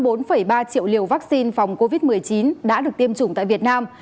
hơn bốn ba triệu liều vaccine phòng covid một mươi chín đã được tiêm chủng tại việt nam